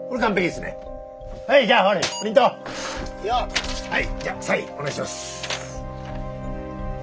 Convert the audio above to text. でははいじゃサインお願いします。